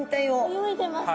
泳いでますね。